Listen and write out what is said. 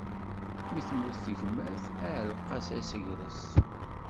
Mi temmut tegmert, iɛalleq-as asegres.